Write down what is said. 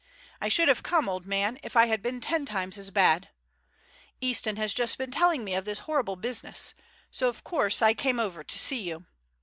I should have come, old man, if I had been ten times as bad. Easton has just been telling me of this horrible business, so of course I came over to see you.